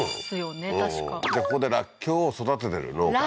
確かじゃあここでらっきょうを育ててる農家？